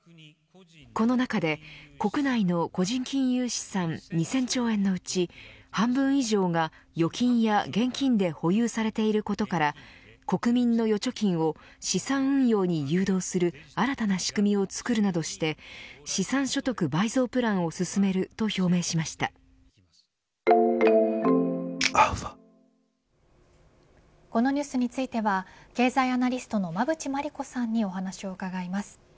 この中で国内の個人金融資産２０００兆円のうち半分以上が預金や現金で保有されていることから国民の預貯金を資産運用に誘導する新たな仕組みを作るなどして資産所得倍増プランを進このニュースについては経済アナリストの馬渕磨理子さんにお話を伺います。